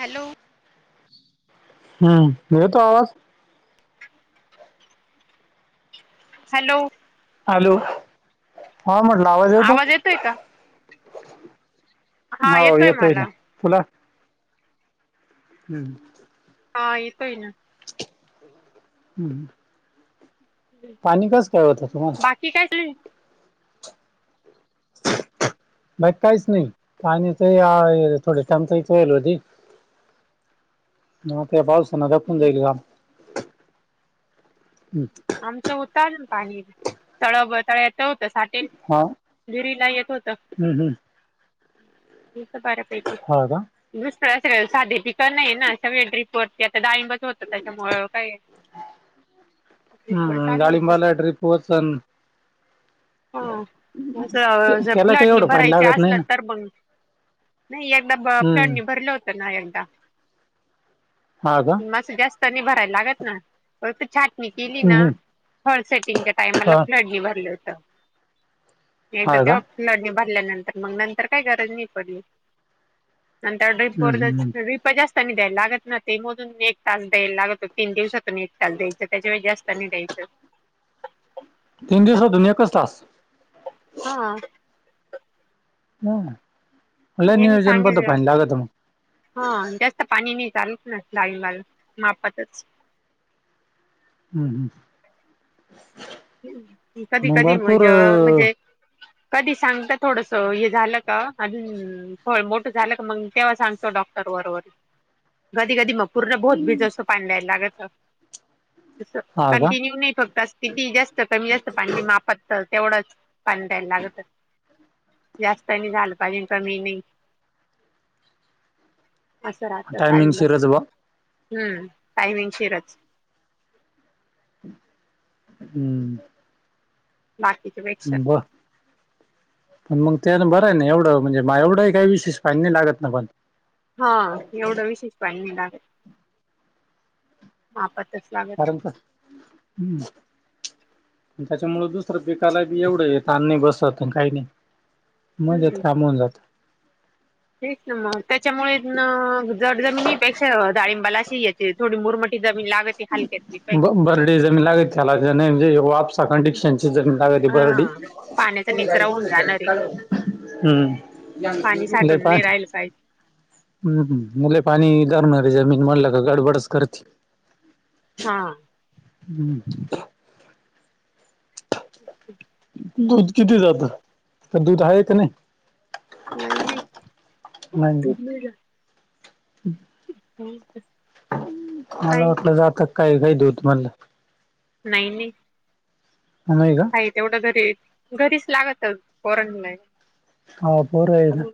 Hello हम्म येतो आवाज हॅलो हॅलो हा म्हटलं आवाज येवतो येतोय का? हा हो येतोय मला ना तुला हम्म हा येतोय ना हम्म पाणी काच काळवतं तुम्हाला ठी काय बाग काहीच नाही ते थोडे टाम तर इथ वईल होती म ते पावसना दखून जाईल का आमचं होत ना पाणी तळब तळ यच होतं साठेल हा विहिरीला येत होत हम्म हम्म तस बारा पैकी हा का दुसळ असे साधे पिक नाही ना अग वळ ड्रिपवरती आता डाईंबच होतं त्याच्यामुळ काय ड्रीप वर हम्म चालू होतं गाळिंबाला ट्रिप वचन ह असं त्याला फ्लड काही नि एवढं पाणी भरायचे लागत नाही असल ना तर मंग नाही एकदा ब हम्म फ्लडनी भरलं होतं ना एकदा ह का म जास्त भरायला लागत ना छ केली हम्म ना हम्म. हॉल सेटिंगच्या हा टाइमला फ्ली भरलं होतं एकदा हा का तेव्हा लढणी भरल्यानंतर मग नंतर काही गरज नाही पडली नंतर ड्रीप हम्म हम्म व जास्तनी द्यायला लागत ना ते मधून एक तास द्यायला लागतो तीन दिवसात काल द्यायं त्याच्या वे जास्त नाही्यायं तीन दिवस होतून एकच तास हा हा यांनी नियोजन पणत सांगितलं फान लागत मग हा जास्त पाणी नाही चालत ना लालून लाल मापातच हम् हम् कधी मग कधी भरपूर म्हणजे अ म्हणजे कधी सांगता थोडस हे झालं का अ थो मोठं झालं का मग तेव्हा सांगतो डॉक्टर बरोबर कधी कधी मग पूर्ण भोत भीज असं पाणी द्यायला लागतं हा का कंटिन्यू नाही फक्त किती जास्त कमी जास्त पाणी मापत तेवढंच पां द्यायला लागतच जास्त नाही झालं पाहिजे का मी नाही असं राहत टईमिंग डाळिंबात सिरजबा हम्म टाईमिंग शिरच हम्म बाकीचचे भेट वा पण मग त्याना बरं आहे ना एवढं म्हणजे मा एवढंही काही विशेष पाहिनी लागत ना पण हा एवढं विशेष पाणडाग हा पच लाग कारर का ह् त्याच्यामुळेळ दुसरं पिकाला बी एवढं येत आण्ही बसत काही नाही मज येत हम्म काम होऊन जातं तेच ना मग त्याच्यामुळे जड जमिनीपेक्षा डाळिंबाला अशी याचे थोडी मोरमठी जमीन लागत हलकेत बर्डी जमीन लागत त्याला नाही म्हणजे वापसा कंडिक्शनची जमीन लागय बर्डी हा पाण्याचा निचरा होऊन जाणार आहे म् पय का हम् मुले पाणीधरणारे जमीन मला का गडबडच करते हा हम्म अच्छा दूध किती जात तर दूध आहेा का नाही नंग नाही नाही का दुर्मला हो मला वाटलं जात काही काही देऊ तमला नाही नाही हग तेवढ घरी घरीच लागतच फॉरन ला हा बर आहे ना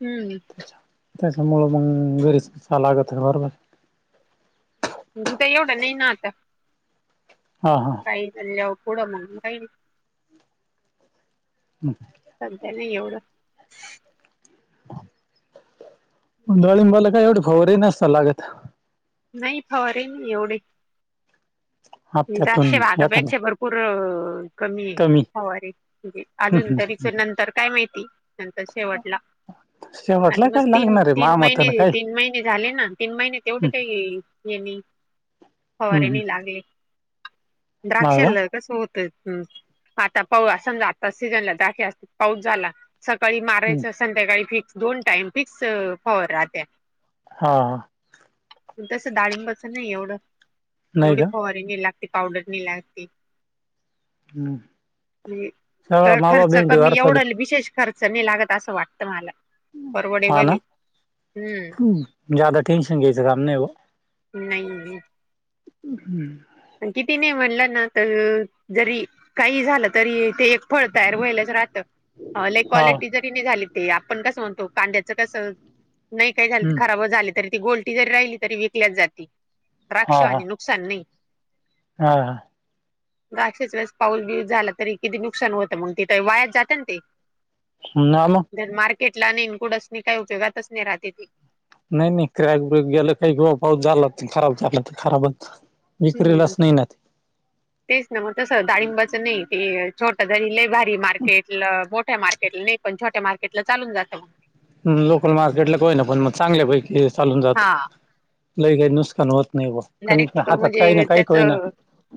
हम्म त्याच्यामुळं मग गरीच कसा लागत आहे बरोबर तुता एवढा नाही ना आता हा हा ई तल्याव कड मंगई नक सध्या नाही एवढं डळीबाला काय एवढी खरही नसत लागत नाही फवार आहे म एवढे हप्त्यातून चशे एखादा भागापेक्षा भरपूर कमी आहे हरे अजून तरीच नंतर काय माहिती नंतर शेवटला [inaudible] आता म तीन लागणार आहे तीन महिने मामताना काय तीन महिने झाले ना तीन महिने तेवढे काही येणे होरे नाही लागले हा का द्राक्षला स होत आता पाऊ समजा आता सीझनला दख अस पाऊस झाला सकाळी मारायचं संध्याकाळी फिक्स दोन टाइम फिक्स फ राहत्या हा ह प तसं डाळिंबाच नाही एवढं नाही एवढी का फवारीने लागते ते पावडर नाही लागते सगळा मावा खर्च बेंडी कमी अर्थ एवढाल विशेष खर्च नाही लागत असं वाटतं मला हा परवडेबल ना आहे हम्म जदा टेंशन घसम नाही नाही हम्म किती नाही म्हणलं ना तर जरी काही झालं तरी ते एक फळ तयार व्हायलाच राहत लाईक हा क्वालिटी जरी नाही झाली ते आपण कसं म्हणतो कांद्याचं कसं नाही काही झाले खराब झाले तरी ती गोलटी जरी राहिली तरी विकल्याच जाते हा हा राक्षवानी नुक सनी हा ह अक्षेच वेळेस पाऊस बिऊस झाला तरी किती नुकसान होतं मग तिथ वायात जातं ना ते नाम जर मार्केटला आणि इनक्लूड अस काही उपयगातच नाही राहते ती नाही नाही क्रॅक ब्रक गेलं काही पाऊस झाला खराब झाला तर खराबच हम्म विक्रीलाच नाही ना ते तेच ना मग तस डाळिंबाच नाही ते छोट ज ल बाहे मार्केट मोठ्या मार्कट नाही पणछट्या म्केट ला चालून जातं म लोकल मार्केटला काय ना पण मग चांगल्यापैकी चालून जात हा लई काही नुकसान होत नाही ब कारण डायरेक्ट हातात काही ना म्हणजे काही त्याच कही ना.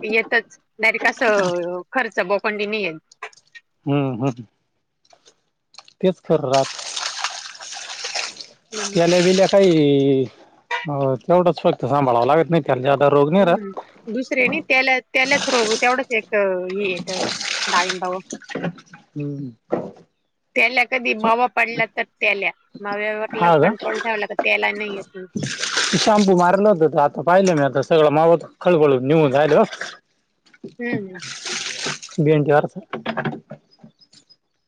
येतच नाहीरेट कसं खर्च बोकंडीने येल. हम्म होम. तेच कर राात येत त्याल्या विेल्या काही अ तेवढंच फक्त सांभाळावं लागत नाही. जदा रोग नाही र हम्म दुसरे त्याला त्यालाच रोग तेवढंच एक अ ह येत दडाईबाव हम्म. त्याला कधी मावा पडला तर त्याला मावटलं हा कंट्रोल ठेवाय लाग त्याला नाही येत. शांपू मारल होत आता पाहिलं मी आता सगळं मावत खळबळून निवऊून जाहिल. हम्म. भींटी वरस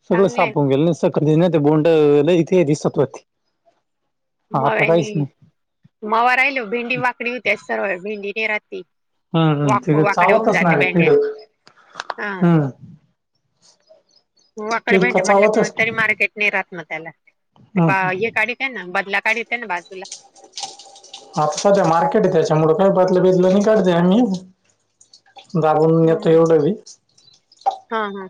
सगळं चांगला आहे ना. सापून गेलं स ते बोंड इथे त सत्व मव्यानी मवा राहिलो भेंडी वाकडी होती सर्व भेंडीने राात हम्म हम्म वाख तिथे वाकड्या होऊन चावतच जाते नाही भेंढ्या किडक हा. हम्म ती होवाकडे किडक बहि म्हटलं क मग चावतच ना. तरी मार्केट न राहात ना त्याला ते हम्म बा हम्म हे काढतय ना बदला काढेत आहे ना बाजूला आता सध्या मार्केट आहे त्याच्यामुळं काही बदल बिजल काढते आम्ही जाबून घेत हम्म. हेवडवी हा हा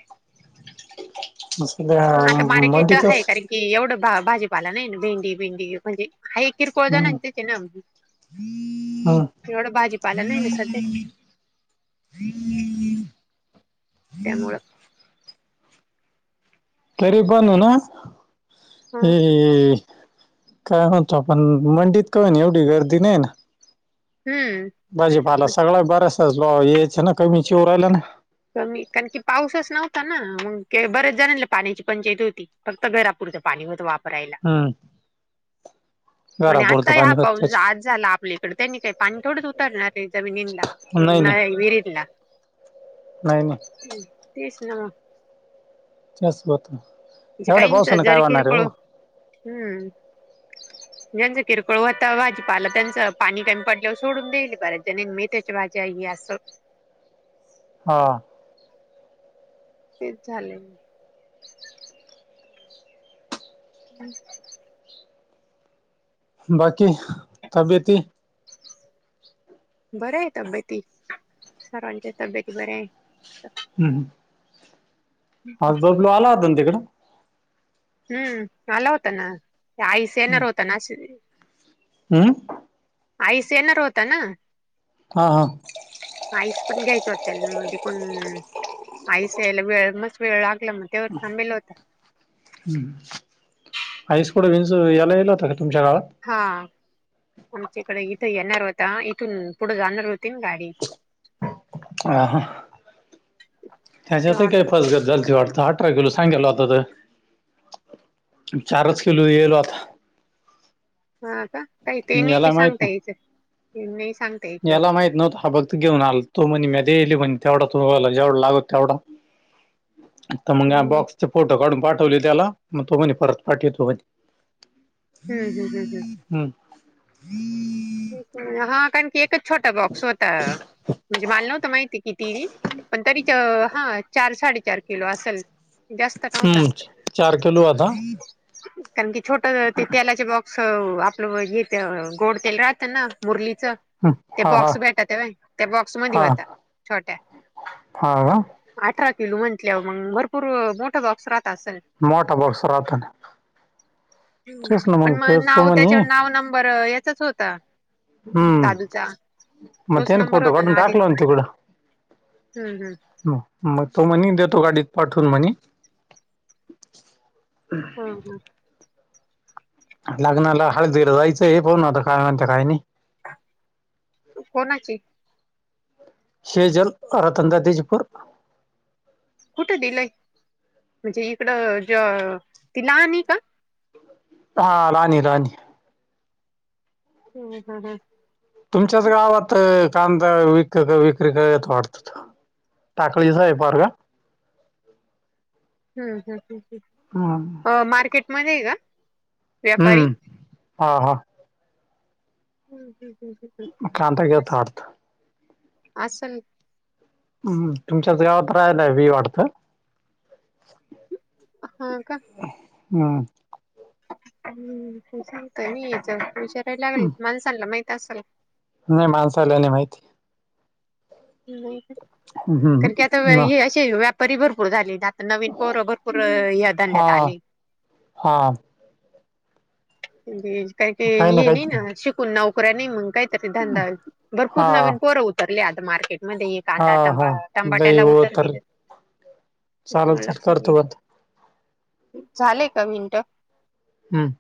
सध्या ह आता मार्केट आहे मंडीतच कारण की एवढं भाजीपाला नाही भेंडी भेंडी म्हणजे हई किरकळद ना हम्म अतेत नम हम्म एवढं भाजीपाला नाही ना सध त्यामुळं तेरी पण ना. हा. ते काय म्हणतो आपण मंडीत का ना एवढी गर्दी नाही ना. हम्म. भाजीपाला मग सगळा बऱ्याच लो याच ना कमी चि उराला ना. कमी कारण की पाऊसच नव्हता ना बरेच जणल ना पाण्याची पंचायती होती. फक्त घरपरं पाणी होत वाप हम्म. म्ह आता घरापुरतं हा पाणी होत पाऊस त्याच्या आज झाला आपल्याकड त्यांनी काही पाणी थोडंच उतरणार आहे जमिनींला नाही णा नाही वीरला नाही नाही. ह् तेच ना म च होत म्हणजे एवढ्या काहींच पाऊस ना काय जरी वाणार आहे किरकोळ हो. हम्म. ह. ज्यांचं किरकोळ होता भाजीपा आला त्यांचं पाणी कामी पडल्यावर सोडून द्याले बऱ्याच ज म त्याच्या बा जा अस. हा. तेच झाले. हम्. बाकी तब्ययती बरं आहे तब्यती सारव तब्यती बर आहे. हम् ह. हज बाजलू आला आ ना तिकडं. हम्म आला होता ना आईस येनर होता ना. हम. आईस येणार होता ना. हा हा आईस पण घ्यायचं होत कोण आयस याला वेळ मस् वेळ लागला मग तेवर थांबल होता आईसकुडं बच यायला येईल होता का तुमच्या गावात हा आमच्या इकडे इथं येणार होता इथून पुढं जाणार होती ना गाडी ह त्याच्यात तेव्हा काय ऑटो फसगत झालती वाटत आत अरा केलो सांगल आता चारच केलो येलो आता हा का काही ते नाही का याला माहित सांगता ना याच नाही सांग याला माहीत नव्हतताा बघ घेऊन आल तो म्हण मध्येले म्हण तेवढा तूला जेवढा लागत तेवढा तर मग या हम्म बॉक्सचे फोटो काढून पाठवले त्याला मग तो म्हणे परत पाठवेतो म्ह हम् हम् हम् हम हम्म हा कारण की एक छोटा बॉक्स होता म्हणजे माल नव्हत माहिती किती पण तरी हा चार साडेचार किलो असेल जास्त नव्हता हम्म चार किलो आता कारण की छोट ते तेलाचे बॉक्स आपलं येत गोड तेल राह. त्यांना मुरलीचं ते हा हा बॉक्स भेटतव त्या बॉक्स मध्ये हा होता छोट्या हा का अठरा किलो म्हटल्यावर मग भरपूर मोठं बॉक्स राहत असेल. मोठा बॉक्स राहत ना. ह् तेच ना पण मग तेच तो नाव म्हणे त्याच्यावर नाव नंबर याचाच होता हम्म दादूचा मग तोच त्याने नंबर फोटो होता काढून ना आदित टाकला तिकडं हम् हम हम्म. मग तो म्हनी देतो गाडीत पाठवून म्हणे हा हा लग्नाला हळद दिलं जायचं हे पाण आता काय म्हणत काय नाही त कोणाची सेजल रतन दाजी ची पोर कुठं दिलंय म्हणजे इकडं ज ति लहानी का हा राणी राणी हम् हम ह तुमच्याच गावात कांदा विक विक्री करत वाटत टाकळीच आहे पोरगा हम्म हम हम् ह हम मार्केटमध्ये आहे का व्यापारी हम्म. हा हा हम् ह् हम ह कांठा ठेवतात असल हम्म तुमच्याच गावात राहालाय वी वाटतं हा का हम् हम्म सांगतय म हशारायला लागल माणसाांला माहित असल नाही माणसाला नाही माहिती नाही हम्म. कारण की आता हम्म. हे असे व्यापारी भरपूर झाले द नवीन पोर भरपूर या धंद्यात आले हां काही हे नाही ना शिकून नोकऱ्या नाही मग काय तरी धंदा हा भरपूर नवीन कोरं उतरले आता मार्केटमध्ये हा कांदा हा तंबा लई तंबाट्याला हो उतर तर दिलं चालेल त्या चाल लक्षात घ करतो बंद झालेय का मिंट हम्म